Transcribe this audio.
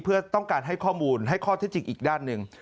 เพื่อต้องการให้ข้อมูลให้ข้อที่จริงอีกด้านหนึ่ง